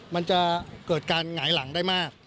มันจะเกิดการหงายหลังได้มาก